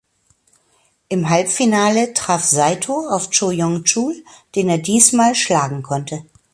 Im Halbfinale traf Saito auf Cho Yong-chul, den er diesmal schlagen konnte.